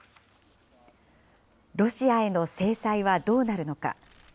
ロシアへの制裁はどうなるのか。